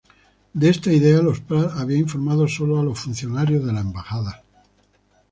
De esta idea los Prats habían informado solo a los funcionarios de la embajada.